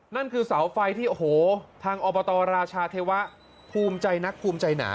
นั่นคือเสาไฟที่โอ้โหทางอบตราชาเทวะภูมิใจนักภูมิใจหนา